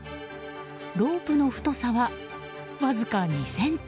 ロープの太さはわずか２ｃｍ。